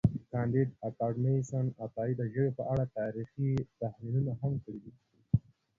کانديد اکاډميسن عطایي د ژبې په اړه تاریخي تحلیلونه هم کړي دي.